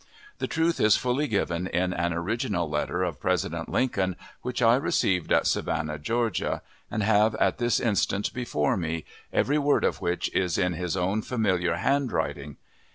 The truth is fully given in an original letter of President Lincoln, which I received at Savannah, Georgia, and have at this instant before me, every word of which is in his own familiar handwriting.